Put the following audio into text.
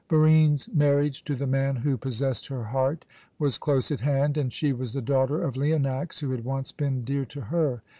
Barine's marriage to the man who possessed her heart was close at hand, and she was the daughter of Leonax, who had once been dear to her.